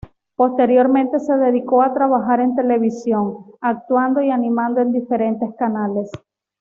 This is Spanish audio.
Posteriormente se dedicó a trabajar en televisión, actuando y animando en diferentes canales.